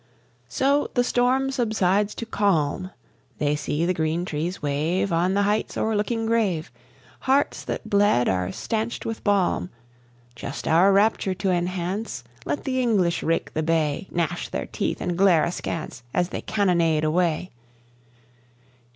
So, the storm subsides to calm: They see the green trees wave On the heights o'erlooking Grève. Hearts that bled are stanched with balm, "Just our rapture to enhance, Let the English rake the bay, Gnash their teeth and glare askance As they cannonade away!